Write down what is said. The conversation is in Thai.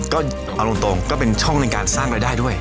ก็เอาตรงก็เป็นช่องในการสร้างรายได้ด้วย